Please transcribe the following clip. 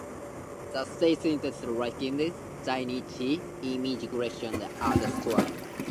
The statistics regarding Zainichi immigration are scarce.